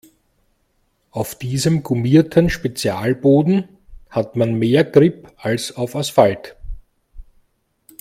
Auf diesem gummierten Spezialboden hat man mehr Grip als auf Asphalt.